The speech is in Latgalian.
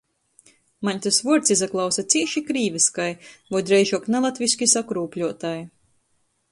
Maņ tys vuords izaklausa cīši krīvyskai voi dreižuok nalatvyski sakrūpļuotai.